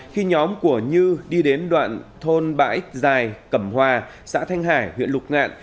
khi nhóm của như đi đến đoạn thôn bãi giải cẩm hòa xã thanh hải huyện lục ngạn